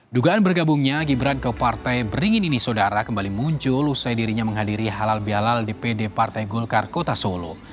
dugaan bergabungnya gibran ke partai beringin ini saudara kembali muncul usai dirinya menghadiri halal bihalal dpd partai golkar kota solo